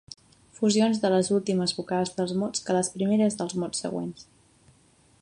Fusions de les últimes vocals dels mots que les primeres dels mots següents.